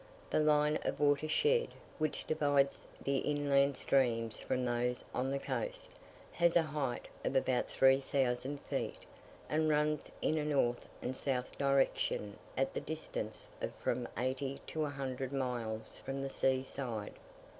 The line of water shed, which divides the inland streams from those on the coast, has a height of about 3000 feet, and runs in a north and south direction at the distance of from eighty to a hundred miles from the sea side.